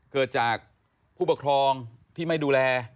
เกิดจากผู้ปกครองที่ไม่ดูแล